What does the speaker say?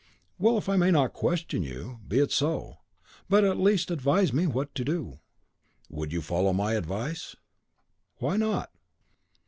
"Well, if I may not question you, be it so; but at least advise me what to do." "Would you follow my advice?" "Why not?"